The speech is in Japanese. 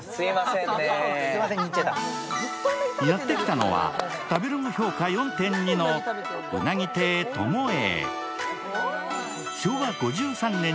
やってきたのは食べログ評価４．２のうなぎ亭友栄。